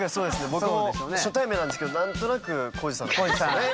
僕も初対面なんですけど何となく皓史さんっぽいですよね。